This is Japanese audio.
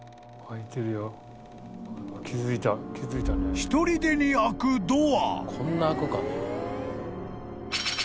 ［ひとりでに開くドア］